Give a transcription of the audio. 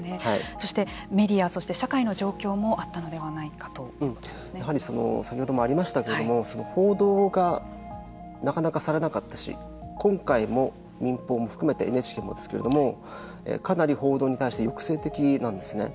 そして、メディア社会の状況も先ほどもありましたけれども報道がなかなかされなかったし今回も、民放も含めてＮＨＫもですけれどもかなり報道に対して抑制的なんですね。